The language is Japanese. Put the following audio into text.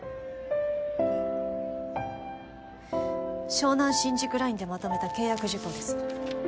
湘南新宿ラインでまとめた契約事項です